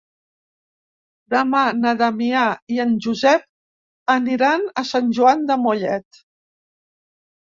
Demà na Damià i en Josep aniran a Sant Joan de Mollet.